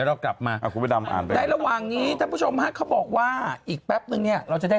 ตัวใหม่เดี๋ยวเรากลับมาอีกแป๊บเมื่อแนกเราจะได้